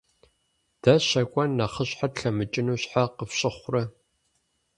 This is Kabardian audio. Дэ щэкӀуэн нэхъыщхьэ тлъэмыкӀыну щхьэ къыфщыхъурэ?